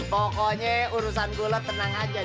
pokoknya urusan gula tenang aja